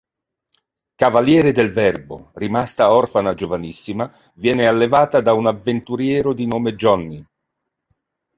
Cavaliere del verbo, rimasta orfana giovanissima, viene allevata da un avventuriero di nome Johnny.